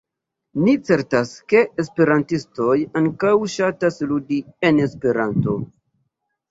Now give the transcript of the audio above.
Ni certas, ke esperantistoj ankaŭ ŝatas ludi en Esperanto!